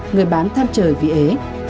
người bán tham trời vì ế